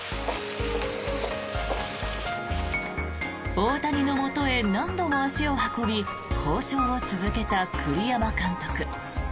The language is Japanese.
大谷のもとへ何度も足を運び交渉を続けた栗山監督。